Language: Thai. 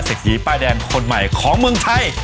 ทีป้ายแดงคนใหม่ของเมืองไทย